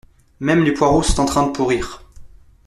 Même les poireaux sont en train de pourrir.